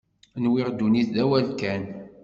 Nwiɣ ddunit d awal kan.